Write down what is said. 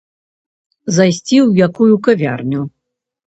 Зайсці ў якую кавярню.